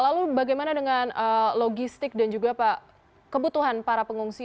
lalu bagaimana dengan logistik dan juga kebutuhan para pengungsi